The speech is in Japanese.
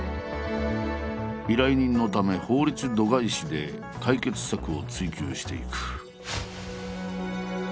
依頼人のため法律度外視で解決策を追求していく。